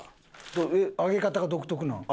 上げ方が独特なん？